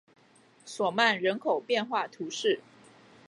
索曼人口变化图示